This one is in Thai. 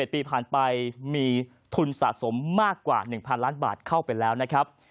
๗ปีผ่านไปมีทุนสะสมมากกว่า๑๐๐ล้านบาทเข้าไปแล้วนะครับ